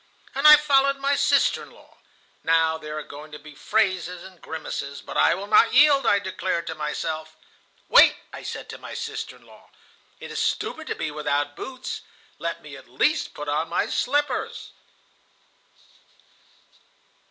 "And I followed my sister in law. 'Now there are going to be phrases and grimaces, but I will not yield,' I declared to myself. "'Wait,' said I to my sister in law, 'it is stupid to be without boots. Let me at least put on my slippers.